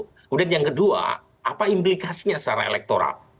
kemudian yang kedua apa implikasinya secara elektoral